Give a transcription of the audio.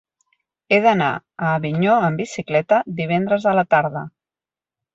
He d'anar a Avinyó amb bicicleta divendres a la tarda.